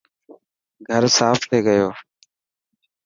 گهر صاف ٿي گيو.